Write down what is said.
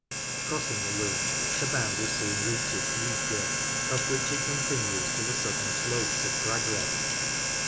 Crossing the Lune, the boundary soon reaches Easegill, up which it continues to the southern slopes of Gragreth.